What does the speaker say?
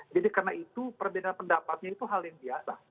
jadi karena itu perbedaan pendapatnya itu hal yang biasa